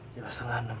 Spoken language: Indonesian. jam setengah enam